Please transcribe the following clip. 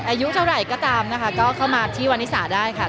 อายุเท่าไหร่ก็ตามนะคะก็เข้ามาที่วันนิสาได้ค่ะ